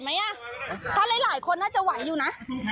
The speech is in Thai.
ไหวไหมตอนนี้หลายคนน่าจะไหวอยู่นะ